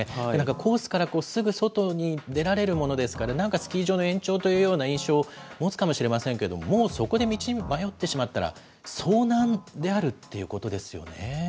コースからすぐ外に出られるものですから、なんかスキー場の延長というような印象を持つかもしれませんけれども、もうそこで道に迷ってしまったら、遭難であるっていうことですよね。